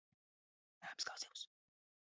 Mēms kā zivs.